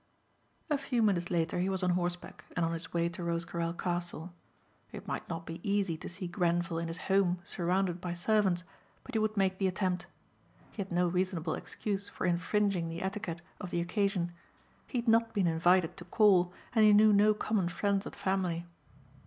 A few minutes later he was on horseback and on his way to Rosecarrel Castle. It might not be easy to see Grenvil in his home surrounded by servants but he would make the attempt. He had no reasonable excuse for infringing the etiquette of the occasion. He had not been invited to call and he knew no common friends of the family.